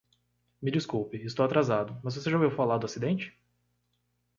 Me desculpe, estou atrasado, mas você já ouviu falar do acidente?